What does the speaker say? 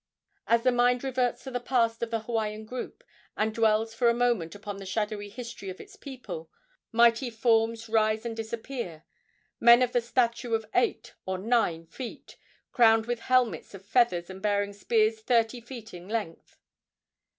As the mind reverts to the past of the Hawaiian group, and dwells for a moment upon the shadowy history of its people, mighty forms rise and disappear men of the stature of eight or nine feet, crowned with helmets of feathers and bearing spears thirty feet in length.